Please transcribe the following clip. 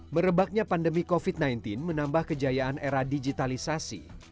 merebaknya pandemi covid sembilan belas menambah kejayaan era digitalisasi